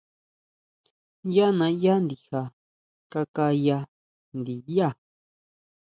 Yá naʼyá ndija kaká ya ndiyá.